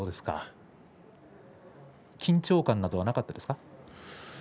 緊張感などはなかったですか。